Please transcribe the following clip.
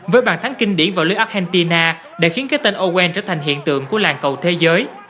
với bàn thắng kinh điển vào lưới argentina đã khiến cái tên oen trở thành hiện tượng của làng cầu thế giới